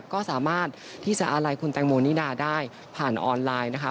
ก็สามารถที่จะอาลัยคุณแตงโมนิดาได้ผ่านออนไลน์นะคะ